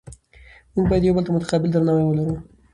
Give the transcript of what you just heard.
موږ باید یو بل ته متقابل درناوی ولرو